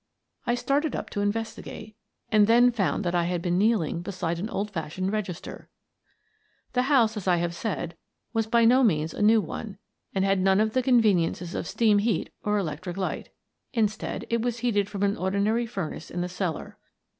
I started up to investigate, and then found that I had been kneeling beside an old fashioned register. The house, as I have said, was by no means a new one, and had none of the conveniences of steam heat or electric light. Instead, it was heated from an ordinary furnace in the cellar.